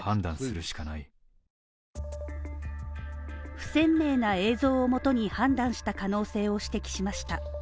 不鮮明な映像をもとに判断した可能性を指摘しました。